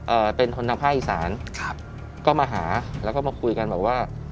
เป็นคนทางภาคอีสานครับก็มาหาแล้วก็มาคุยกันบอกว่า